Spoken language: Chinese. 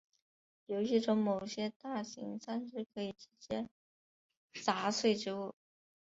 游戏中某些大型僵尸可以直接砸碎植物。